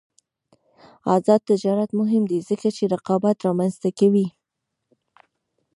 آزاد تجارت مهم دی ځکه چې رقابت رامنځته کوي.